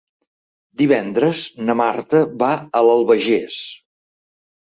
Divendres na Marta va a l'Albagés.